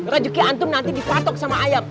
rejeki antum nanti dipatok sama ayam